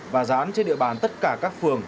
và dán trên địa bàn tất cả các phường